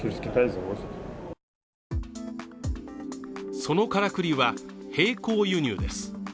そのからくりは並行輸入です